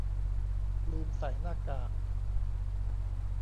ลืมใส่หน้ากาก